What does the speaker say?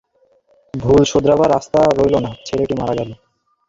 ভুল শোধরাবার রাস্তা রইল না, ছেলেটি মারা গেল।